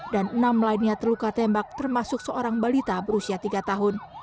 dan enam lainnya terluka tembak termasuk seorang balita berusia tiga tahun